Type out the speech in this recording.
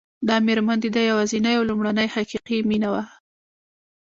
دا مېرمن د ده یوازېنۍ او لومړنۍ حقیقي مینه وه